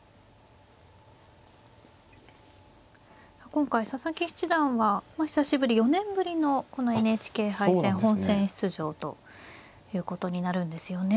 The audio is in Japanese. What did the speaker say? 今回佐々木七段は久しぶり４年ぶりのこのＮＨＫ杯戦本戦出場ということになるんですよね。